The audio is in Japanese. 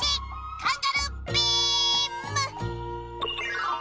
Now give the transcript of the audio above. カンガルービーム！